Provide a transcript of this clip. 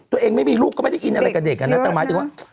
ตัวเองไม่มีลูกก็ไม่ได้อินอะไรกับเด็กอ่ะนะแต่หมายถึงว่า